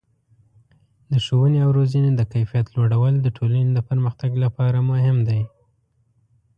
د ښوونې او روزنې د کیفیت لوړول د ټولنې د پرمختګ لپاره مهم دي.